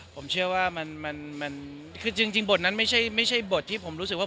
ผมเชื่อว่ามันคือจริงบทนั้นไม่ใช่บทที่ผมรู้สึกว่า